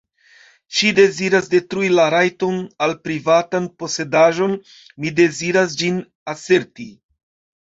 Ŝi deziras detrui la rajton al privatan posedaĵon, mi deziras ĝin aserti.